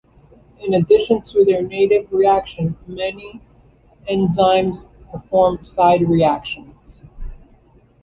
In addition to their native reaction, many enzymes perform side reactions.